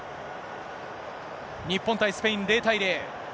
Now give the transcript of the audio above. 日本対スペイン、０対０。